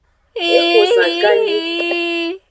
Exo zan ganyi.